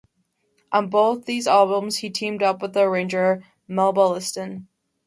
On both these albums he teamed up with the arranger Melba Liston.